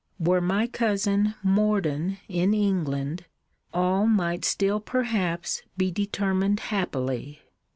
Were my cousin Morden in England, all might still perhaps be determined happily.